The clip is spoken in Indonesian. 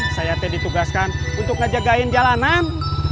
saya ditugaskan untuk ngejagain jalanan